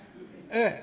ええ。